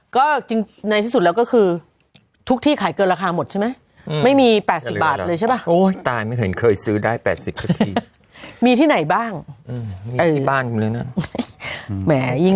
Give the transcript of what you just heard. ก็จริงในสุดแล้วก็คือทุกที่ขายเกินราคาหมดใช่ไหมไม่มี๘๐บาทเลยใช่ป่ะโอ้ยตายไม่เห็นเคยซื้อได้๘๐ที่มีที่ไหนบ้างบ้านเลยนะแม่ยิง